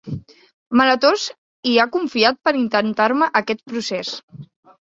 Meletos hi ha confiat per intentar-me aquest procés.